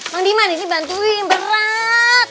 bro diman ini bantuin berat